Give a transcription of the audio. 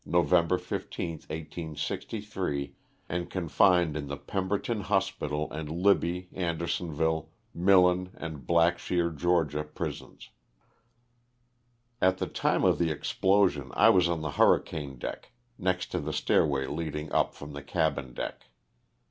November 15, 1863, and confined in the Pemberton Hospital and Libby, Andersonville, Millen and Blackshear, Ga., prisons. At the time of the explosion I was on the hurricane deck, next to the stairway leading up from the cabin deck.